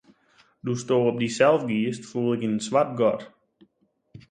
Doe'tsto op dysels giest, foel ik yn in swart gat.